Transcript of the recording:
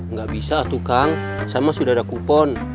nggak bisa tuh kang sama sudah ada kupon